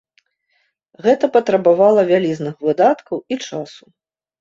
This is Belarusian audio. Гэта патрабавала вялізных выдаткаў і часу.